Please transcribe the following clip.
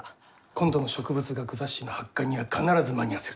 今度の植物学雑誌の発刊には必ず間に合わせると。